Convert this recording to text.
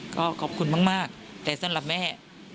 ก็ขอบคุณมากแต่สำหรับแม่